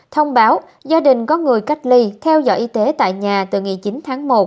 thông báo gia đình có người cách ly theo dõi y tế tại nhà từ ngày chín tháng một